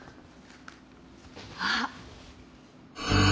あっ！